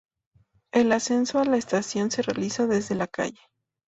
El acceso a la estación se realiza desde la calle.